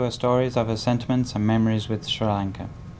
về tình cảm và những kỷ niệm của bà đối với đất nước sri lanka